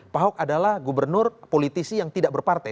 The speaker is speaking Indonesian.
pak ahok adalah gubernur politisi yang tidak berpartai